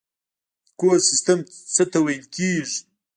ایکوسیستم څه ته ویل کیږي